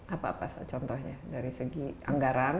apa apa contohnya dari segi anggaran